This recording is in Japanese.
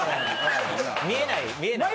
見えない見えない。